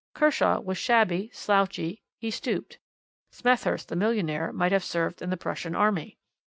Kershaw was shabby, slouchy, he stooped. Smethurst, the millionaire, might have served in the Prussian army.